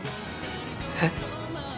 えっ？